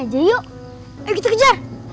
hai itu kan